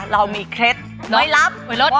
เรามีเคล็ดไว้ลับ